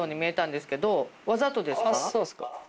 そうっすか？